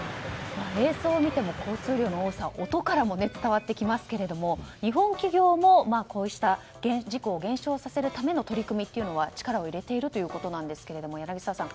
映像を見ても交通量の多さ音からも伝わってきますが日本企業も、こうした事故を減少させるための取り組みに力を入れているということなんですが、柳澤さん